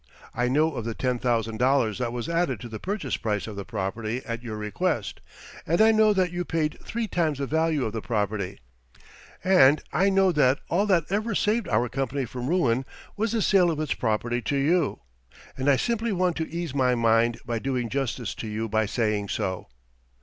I know of the ten thousand dollars that was added to the purchase price of the property at your request, and I know that you paid three times the value of the property, and I know that all that ever saved our company from ruin was the sale of its property to you, and I simply want to ease my mind by doing justice to you by saying so.